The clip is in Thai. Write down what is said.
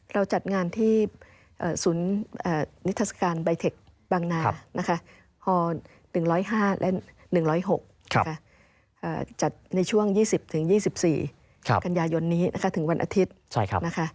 เราจัดงานที่ศูนย์นิทัศกาลใบเทคบางนานะคะฮ๑๐๕และ๑๐๖จัดในช่วง๒๐๒๔กันยายนนี้นะคะถึงวันอาทิตย์นะคะ